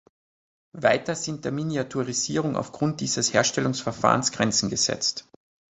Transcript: Weiter sind der Miniaturisierung aufgrund dieses Herstellungsverfahrens Grenzen gesetzt.